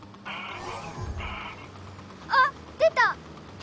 あっ出た！